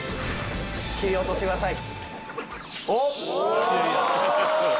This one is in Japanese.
切り落としてください。